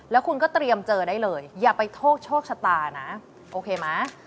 แล้วคุณก็เตรียมเจอได้เลยอย่าไปโทษโชคโชคชะตานะโอเคไหม